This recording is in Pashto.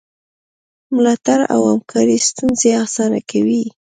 ملاتړ او همکاري ستونزې اسانه کوي.